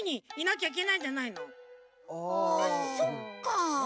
あそっか。